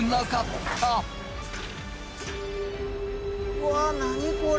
うわ何これ！？